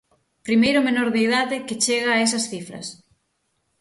Primeiro menor de idade que chega a esas cifras.